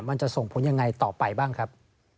มันจะส่งผลยังไงต่อไปบ้างครับ